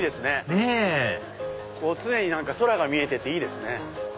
ねぇ常に空が見えてていいですね。